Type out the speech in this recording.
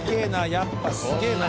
やっぱすげえな。